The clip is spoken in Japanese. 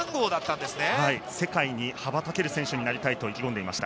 世界に羽ばたける選手になりたいと意気込んでいました。